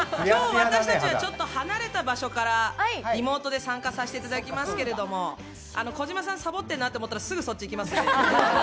今日私たちはちょっと離れた場所からリモートで参加させていただきますけれども、児嶋さん、サボってるなと思ったらすぐそっち行きますから。